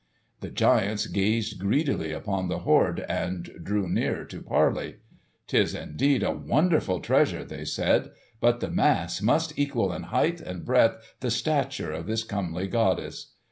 The giants gazed greedily upon the hoard, and drew near to parley. "'Tis indeed a wonderful treasure," they said; "but the mass must equal in height and breadth the stature of this comely goddess."